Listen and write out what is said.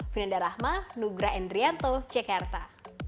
fineda rahma nugra endrianto cekerta